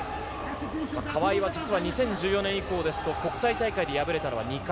川井は２０１４年以降ですと国際大会で敗れたのは２回。